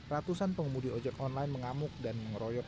ratusan pengemudi ojek online mengamuk dan mengeroyok